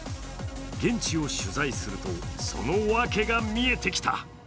現地を取材すると、その訳が見えてきた。